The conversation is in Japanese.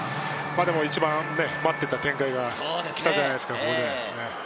一番待っていた展開がきたんじゃないですか、ここで。